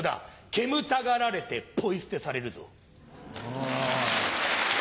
煙たがられてポイ捨てされるぞ。